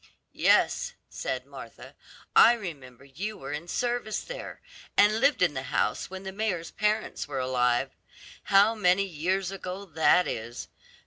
"Yes," said Martha; "I remember you were in service there, and lived in the house when the mayor's parents were alive; how many years ago that is.